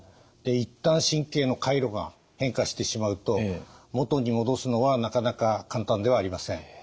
一旦神経の回路が変化してしまうともとに戻すのはなかなか簡単ではありません。